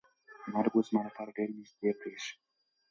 مرګ اوس زما لپاره ډېر نږدې برېښي.